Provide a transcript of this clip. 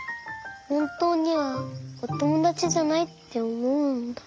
ほんとうにはおともだちじゃないっておもうんだ。